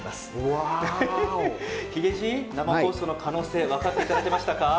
ヒゲじい、生放送の可能性分かっていただけましたか？